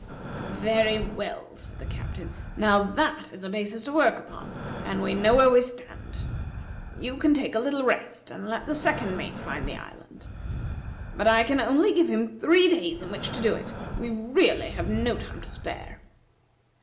"Very well," said the Captain. "Now, that is a basis to work upon, and we know where we stand. You can take a little rest, and let the second mate find the island. But I can only give him three days in which to do it. We really have no time to spare."